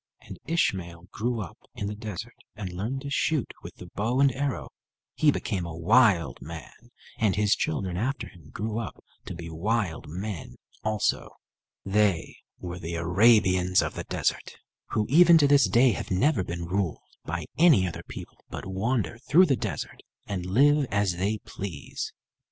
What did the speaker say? And Ishmael grew up in the desert and learned to shoot with the bow and arrow. He became a wild man, and his children after him grew up to be wild men also. They were the Arabians of the desert, who even to this day have never been ruled by any other people, but wander through the desert, and live as they please.